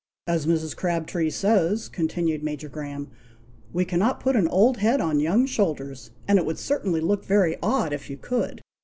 "As Mrs. Crabtree says," continued Major Graham, "'we cannot put an old head on young shoulders;' and it would certainly look very odd if you could."